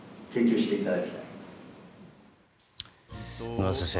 野村先生